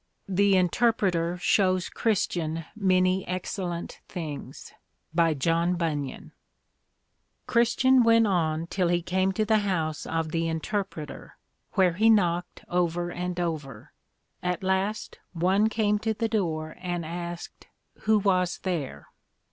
THE INTERPRETER SHOWS CHRISTIAN MANY EXCELLENT THINGS By John Bunyan Christian went on till he came to the house of the Interpreter, where he knocked over and over; at last one came to the door, and asked Who was there?